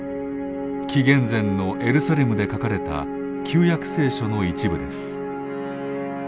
紀元前のエルサレムで書かれた「旧約聖書」の一部です。